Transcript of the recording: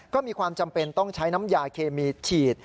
ก็มีความจำเป็นต้องใช้น้ำยาเคมีฉีด